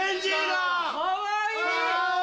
かわいい！